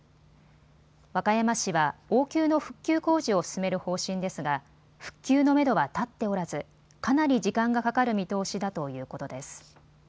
和歌山市は応急の復旧工事を進める方針ですが復旧のめどは立っておらずかなり時間がかかる見通しだということです。